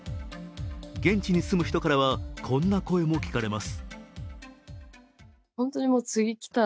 現地に住む人からはこんな声も聞かれます。